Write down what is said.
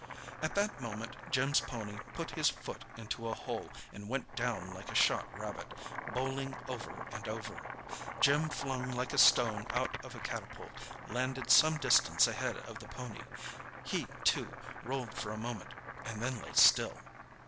At that moment Jim's pony put his foot into a hole, and went down like a shot rabbit, bowling over and over, Jim flung like a stone out of a catapult, landed some distance ahead of the pony. He, too, rolled for a moment, and then lay still.